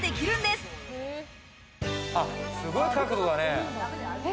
すごい角度だね。